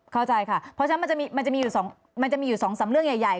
เข้าใจค่ะเพราะฉะนั้นมันจะมีอยู่๒๓เรื่องใหญ่